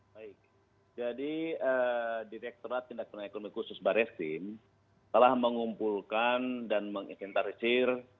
baik jadi direkturat tindakan ekonomi khusus barisin telah mengumpulkan dan menginfentasir